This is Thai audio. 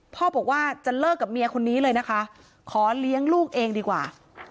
พ่อบอกว่าจะเลิกกับเมียคนนี้เลยนะคะขอเลี้ยงลูกเองดีกว่า